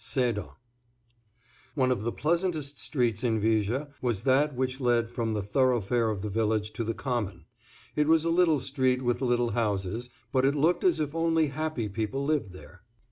SEDAN. ONE of the pleasantest streets in Viger was that which led from the thoroughfare of the village to the common. It was a little street with little houses, but it looked as if only happy people lived there.